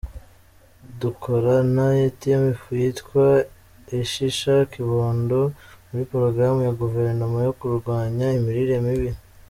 Dukora n’ifu yitwa “Shisha Kibondoâ€? muri Porogaramu ya Goverinoma yo kurwanya imirire mibi.